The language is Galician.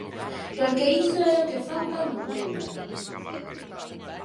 Porque iso é o que fan cando emendan.